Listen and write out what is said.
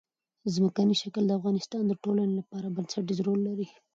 ځمکنی شکل د افغانستان د ټولنې لپاره بنسټيز رول لري.